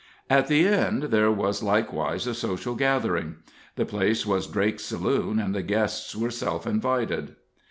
At the End there was likewise a social gathering. The place was Drake's saloon, and the guests were self invited.